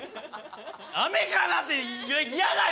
「雨かな」って嫌だよ